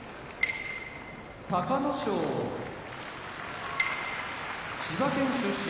隆の勝千葉県出身